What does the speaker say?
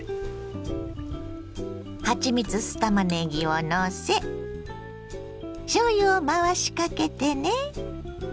はちみつ酢たまねぎをのせしょうゆを回しかけてね。